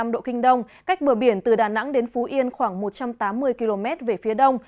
một trăm một mươi năm độ kinh đông cách bờ biển từ đà nẵng đến phú yên khoảng một trăm tám mươi km về phía đông